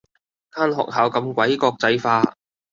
間學校咁鬼國際化